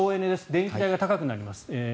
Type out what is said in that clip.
電気代が高くなります。